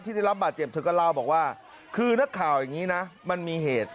ได้รับบาดเจ็บเธอก็เล่าบอกว่าคือนักข่าวอย่างนี้นะมันมีเหตุ